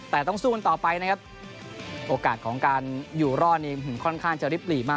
แต่ต้องสู้กันต่อไปนะครับโอกาสของการอยู่รอดนี้ค่อนข้างจะริบหลีมาก